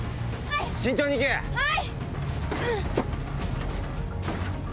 はい！